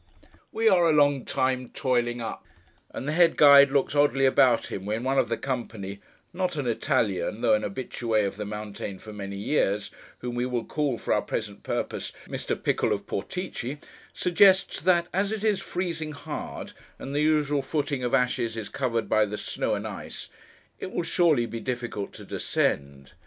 We are a long time toiling up; and the head guide looks oddly about him when one of the company—not an Italian, though an habitué of the mountain for many years: whom we will call, for our present purpose, Mr. Pickle of Portici—suggests that, as it is freezing hard, and the usual footing of ashes is covered by the snow and ice, it will surely be difficult to descend.